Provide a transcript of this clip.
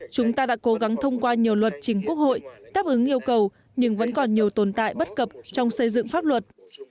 chúng ta đã cố gắng thông qua nhiều luật trình quốc hội đáp ứng yêu cầu nhưng vẫn còn nhiều tồn tại bất cập trong xây dựng pháp luật